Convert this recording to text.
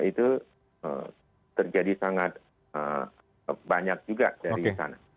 itu terjadi sangat banyak juga dari sana